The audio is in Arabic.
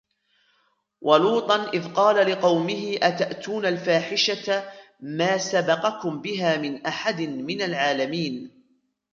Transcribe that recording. ولوطا إذ قال لقومه أتأتون الفاحشة ما سبقكم بها من أحد من العالمين